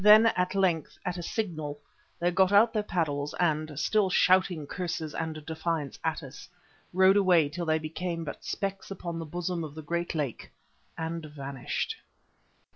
Then at length at a signal they got out their paddles, and, still shouting curses and defiance at us, rowed away till they became but specks upon the bosom of the great lake and vanished.